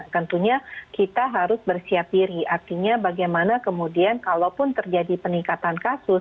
tentunya kita harus bersiap diri artinya bagaimana kemudian kalaupun terjadi peningkatan kasus